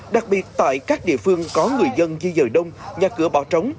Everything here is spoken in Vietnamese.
đặc biệt tại các địa phương có người dân di dời đông nhà cửa bảo trống